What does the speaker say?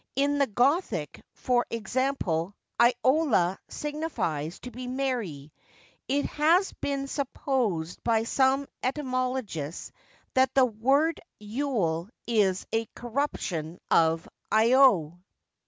In the Gothic, for example, Iola signifies to make merry. It has been supposed by some etymologists that the word 'yule' is a corruption of 'Io!